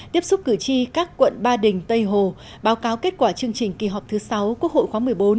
tiếp xúc cử tri các quận ba đình tây hồ báo cáo kết quả chương trình kỳ họp thứ sáu quốc hội khóa một mươi bốn